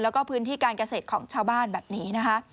แล้วก็พื้นที่การเกษตรของชาวบ้านแบบนี้นะคะ